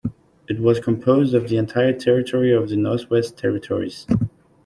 It was composed of the entire territory of the Northwest Territories.